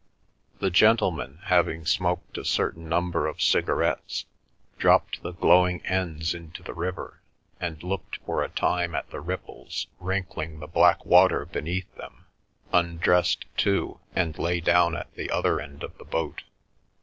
The gentlemen, having smoked a certain number of cigarettes, dropped the glowing ends into the river, and looked for a time at the ripples wrinkling the black water beneath them, undressed too, and lay down at the other end of the boat.